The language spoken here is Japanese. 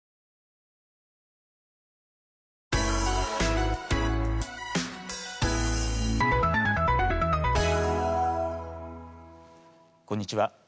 こんにちは。